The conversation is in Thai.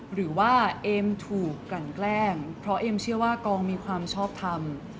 หรือว่าเอมถูกกลั่นแกล้งเพราะเอ็มเชื่อว่ากองมีความชอบทำ